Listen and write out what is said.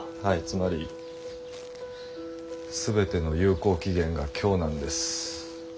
はいつまり全ての有効期限が今日なんです。